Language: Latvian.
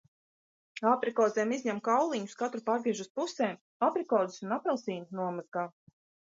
Aprikozēm izņem kauliņus, katru pārgriež uz pusēm. Aprikozes un apelsīnu nomazgā.